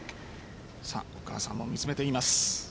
お母さんも見つめています。